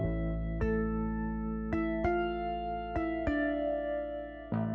tidak diketahuan dib invitation